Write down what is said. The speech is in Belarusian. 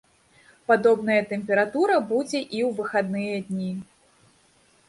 Падобная тэмпература будзе і ў выхадныя дні.